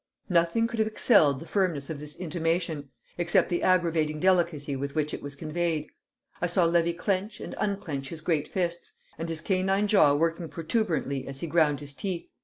Nothing could have excelled the firmness of this intimation, except the exggravating delicacy with which it was conveyed. I saw Levy clench and unclench his great fists, and his canine jaw working protuberantly as he ground his teeth.